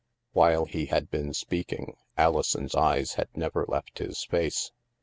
While he had been speaking, Alison's eyes had never left his face.